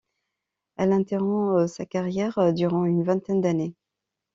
Elle interrompt sa carrière durant une vingtaine d'années.